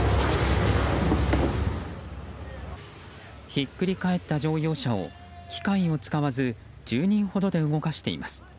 ひっくり返った乗用車を機械を使わず１０人ほどで動かしています。